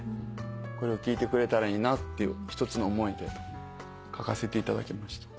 これを聴いてくれたらいいなっていうひとつの思いで書かせていただきました。